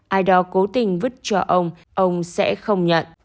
ai đó cố tình vứt cho ông ông sẽ không nhận